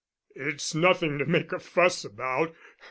"It's nothing to make a fuss about.